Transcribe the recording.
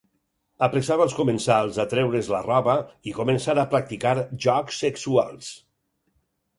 Apressava els comensals a treure's la roba i començar a practicar jocs sexuals.